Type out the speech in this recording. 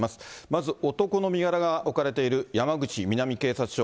まず、男の身柄が置かれている山口南警察署、